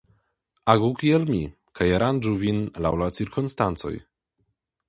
Agu kiel mi, kaj aranĝu vin laŭ la cirkonstancoj.